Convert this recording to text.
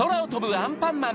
アンパンマン！